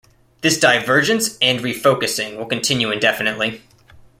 This divergence and refocusing will continue indefinitely.